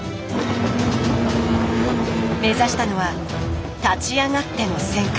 目指したのは立ち上がっての旋回。